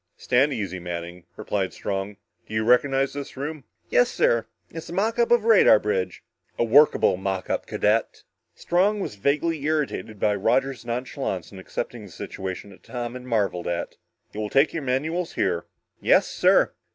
"Stand easy, Manning," replied Strong. "Do you recognize this room?" "Yes, sir. It's a mock up of a radar bridge." "A workable mock up, cadet!" Strong was vaguely irritated by Roger's nonchalance in accepting a situation that Tom had marveled at. "You will take your manuals here!" "Yes, sir."